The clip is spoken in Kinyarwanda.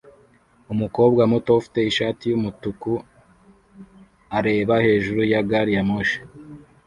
Umukobwa muto ufite ishati yumutuku areba hejuru ya gari ya moshi